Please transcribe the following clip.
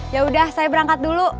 yaudah saya berangkat dulu